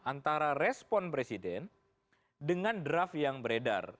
antara respon presiden dengan draft yang beredar